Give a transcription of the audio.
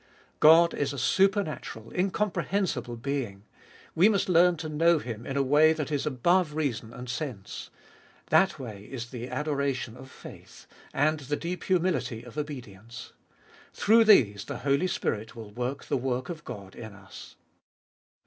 3. God is a supernatural, incomprehensible Being ; we must learn to know Him in a way that is above reason and sense. That way is the adoration of faith, and the deep humility of obedi ence. Through these the Holy Spirit will work the work of God in us.